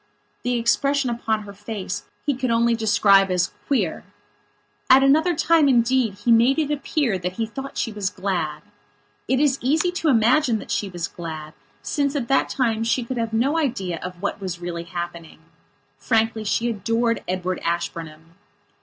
The expression upon her face he could only describe as "queer". At another time, indeed, he made it appear that he thought she was glad. It is easy to imagine that she was glad, since at that time she could have had no idea of what was really happening. Frankly, she adored Edward Ashburnham.